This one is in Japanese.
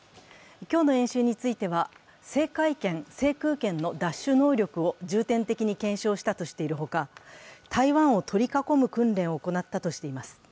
今日の演習については、制海権・制空権の奪取能力を検証したと重点的に検証したとしているほか台湾を取り囲む訓練を行ったとしています。